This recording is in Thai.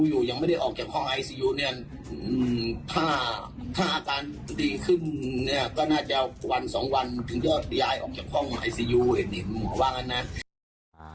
เห็นมั้ยหมอก็ว่างั้นนะ